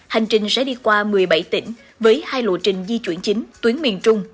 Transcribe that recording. hành trình sẽ đi qua một mươi bảy tỉnh với hai lộ trình di chuyển chính tuyến miền trung